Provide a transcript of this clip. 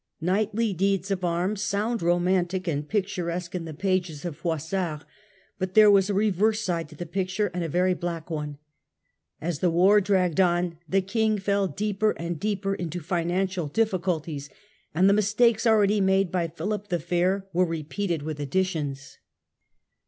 Knightly deeds of arms sound romantic and picturesque in the pages of Froissart, but there was a reverse side to the picture and a very black one. As the war dragged on the King fell deeper and deeper into financial difficulties, and the mistakes already made by Financial Philip the Fair were repeated with additions.